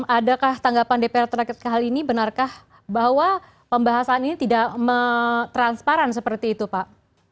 adakah tanggapan dpr terkait hal ini benarkah bahwa pembahasan ini tidak transparan seperti itu pak